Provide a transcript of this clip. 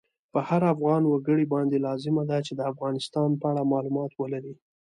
په هر افغان وګړی باندی لازمه ده چی د افغانستان په اړه مالومات ولری